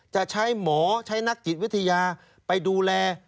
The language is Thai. จะใช้หมอใช้นักจิตวิทยาไปดูแล